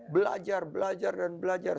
belajar belajar dan belajar